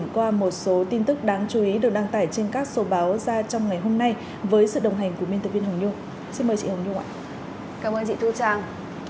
cảm ơn chị thu trang